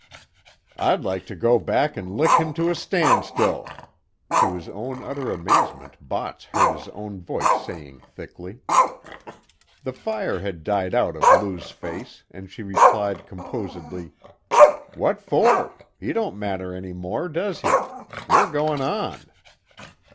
"I'd like to go back and lick him to a standstill!" to his own utter amazement Botts heard his own voice saying thickly. The fire had died out of Lou's face and she replied composedly: "What for? He don't matter any more, does he? We're goin' on."